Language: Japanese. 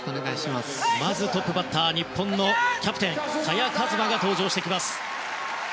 まずトップバッター日本のキャプテン萱和磨が登場。